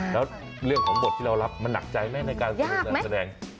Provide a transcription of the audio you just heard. แล้วเรื่องของบทที่เรารับมันหนักใจไหมในการสรุปการแสดง